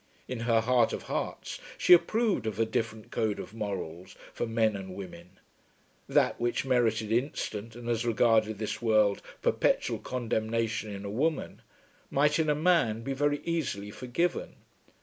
In her heart of hearts she approved of a different code of morals for men and women. That which merited instant, and as regarded this world, perpetual condemnation in a woman, might in a man be very easily forgiven.